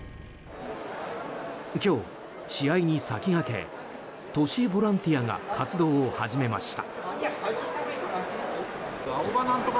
今日、試合に先駆け都市ボランティアが活動を始めました。